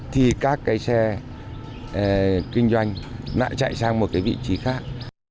thì các cái xe kinh doanh lại chạy sang một cái vị trí khác